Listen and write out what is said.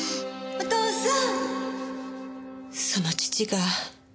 お父さん！